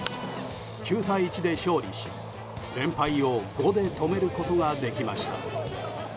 ９対１で勝利し、連敗を５で止めることができました。